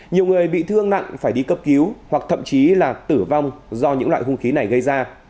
nhiều người bị thương nặng phải đi cấp cứu hoặc thậm chí là tử vong do những loại hung khí này gây ra